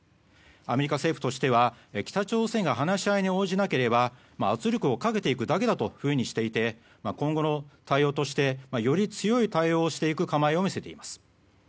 アメリカ政府としては北朝鮮が話し合いに応じなければ圧力をかけていくだけだというふうにしていて今後の対応としてより強い対応をしていく構えを見せています。